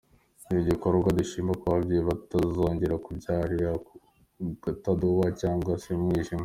Ni igikorwa dushima kuba ababyeyi batazongera kubyarira ku gatadowa cyangwa se mu mwijima.